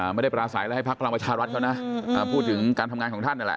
ไม่ได้ปราศัยอะไรให้พักพลังประชารัฐเขานะพูดถึงการทำงานของท่านนั่นแหละ